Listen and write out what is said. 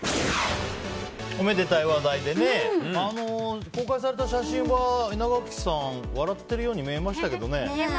おめでたい話題で公開された写真は稲垣さん笑ってるように見えましたけどね。